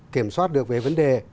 kiểm soát được về vấn đề